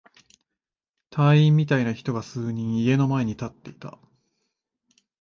隊員みたいな人が数人、家の前に立っていた。